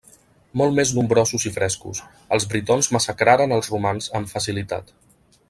Molt més nombrosos i frescos, els Britons massacraren als romans amb facilitat.